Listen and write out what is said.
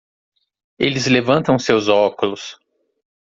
Eles levantam seus óculos.